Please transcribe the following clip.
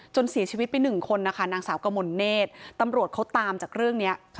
จนสีชีวิตไป๑คนนะคะนางสาวกะหม่นเนธตำรวจเขาตามจากเรื่องนี้